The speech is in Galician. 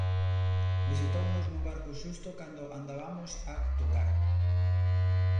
Visitounos no barco xusto cando andabamos a tocar.